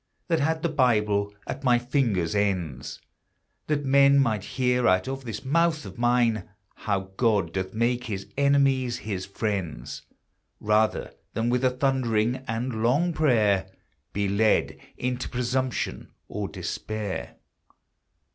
That had the Bible at my fingers' ends; That men might hear out of this mouth of mine How God doth make his enemies his friends; Rather than with a thundering and long prayer Be led into presumption, or despair.